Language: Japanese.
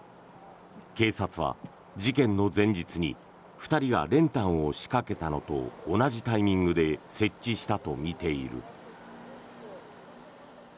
警察は事件の前日に２人が練炭を仕掛けたのと同じタイミングで設置したとみている。